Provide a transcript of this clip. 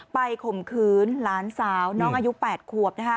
ข่มขืนหลานสาวน้องอายุ๘ขวบ